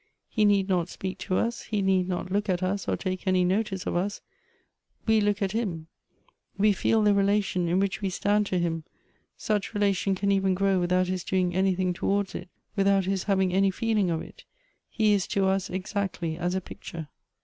He need not speak to us, he need not look at us, or take any notice of us ; we look at him, we feel the relation in which we stand to him ; such relation can even grow without his doing anything towards it, without his having any feeling of it : he is to us exactly as a picture."